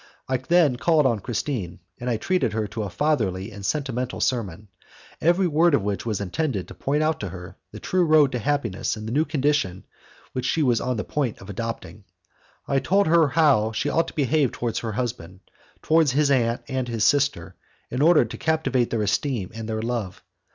I then called on Christine, and I treated her to a fatherly and sentimental sermon, every word of which was intended to point out to her the true road to happiness in the new condition which she was on the point of adopting. I told her how she ought to behave towards her husband, towards his aunt and his sister, in order to captivate their esteem and their love.